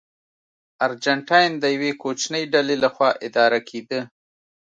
ارجنټاین د یوې کوچنۍ ډلې لخوا اداره کېده.